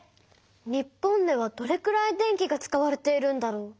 日本ではどれくらい電気が使われているんだろう？